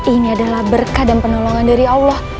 ini adalah berkah dan penolongan dari allah